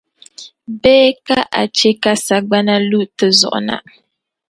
Bee ka a chɛ ka sagbana lu ti zuɣu na?